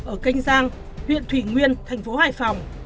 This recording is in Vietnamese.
ở kênh giang huyện thủy nguyên thành phố hải phòng